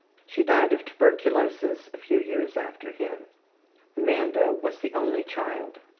She died of tuberculosis a few years after him. Amanda was the only child.